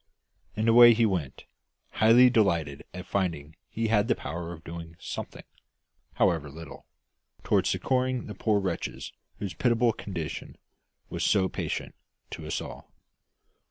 And away he went, highly delighted at finding he had the power of doing something, however little, toward succouring the poor wretches whose pitiable condition was so patent to us all.